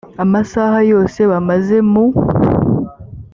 amasaha yose bamaze mu